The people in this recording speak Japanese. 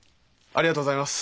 ありがとうございます。